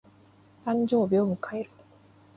誕生日を迎える。